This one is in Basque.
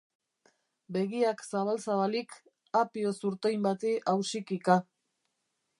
Begiak zabal-zabalik, apio zurtoin bati ausikika.